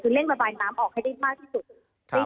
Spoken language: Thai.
คือเร่งระบายน้ำออกให้ได้มากที่สุด